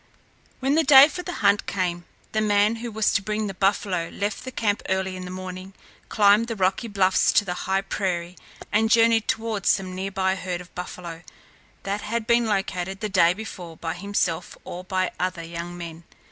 When the day for the hunt came, the man who was to bring the buffalo left the camp early in the morning, climbed the rocky bluffs to the high prairie, and journeyed toward some near by herd of buffalo, that had been located the day before by himself or by other young men.